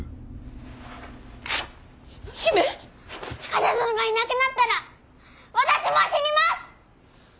冠者殿がいなくなったら私も死にます！